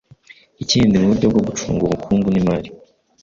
Ikindi mu buryo bwo gucunga ubukungu n'imari